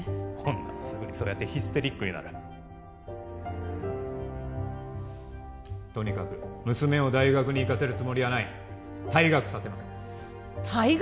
女はすぐにそうやってヒステリックになるとにかく娘を大学に行かせるつもりはない退学させます退学？